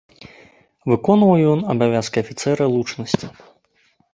Выконваў ён абавязкі афіцэра лучнасці.